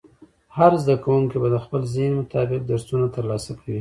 هر زده کوونکی به د خپل ذهن مطابق درسونه ترلاسه کوي.